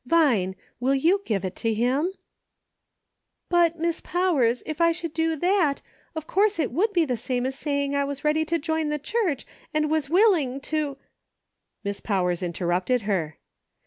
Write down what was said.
Vine, will you give it to him .'"" But, Miss Powers, if I should do that, of course it would be the same as saying I was ready to join the church, and was willing to —" Miss Powers interrupted her.